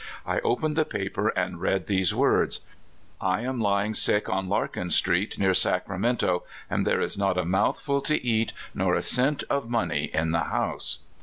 I opened the paper, and read these words — "I am lying sick on Larkin street, near Sacra mento, and there is not a mouthful to eat or cent of money in the house."